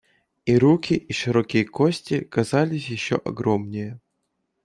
И руки и широкие кости казались еще огромнее.